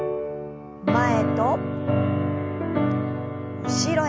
前と後ろへ。